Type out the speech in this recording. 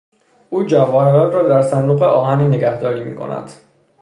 او جواهرات را در صندوق آهنی نگهداری میکند.